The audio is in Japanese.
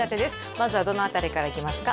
まずはどの辺りからいきますか？